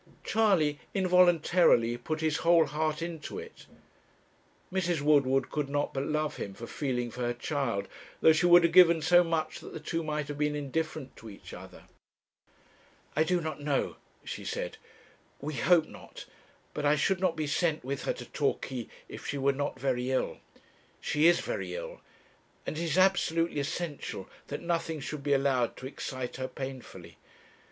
Charley involuntarily put his whole heart into it. Mrs. Woodward could not but love him for feeling for her child, though she would have given so much that the two might have been indifferent to each other. 'I do not know,' she said. 'We hope not. But I should not be sent with her to Torquay if she were not very ill. She is very ill, and it is absolutely essential that nothing should be allowed to excite her painfully.